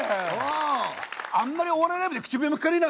あんまりお笑いライブで口笛も聞かねえな。